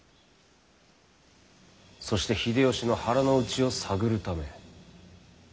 そして秀吉の腹の内を探るため。